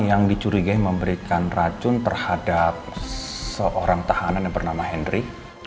yang dicurigai memberikan racun terhadap seorang tahanan yang bernama henry